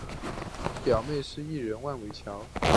表妹是艺人万玮乔。